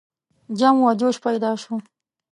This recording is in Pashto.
جم و جوش پیدا شو.